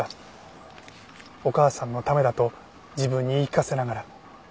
お母さんのためだと自分に言い聞かせながら。